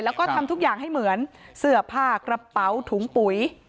แล้วก็ทำทุกอย่างให้เหมือนเสื้อผ้ากระเป๋าถุงปุ๋ย